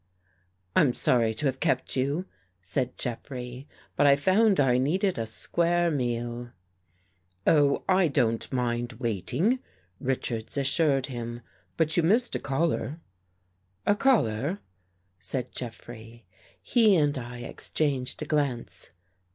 " I'm sorry to have kept you," said Jeffrey, " but I found I needed a square meal." " Oh, I didn't mind waiting," Richards assured him. " But you missed a caller." " A caller? " said Jeffrey. He and I exchanged a glance.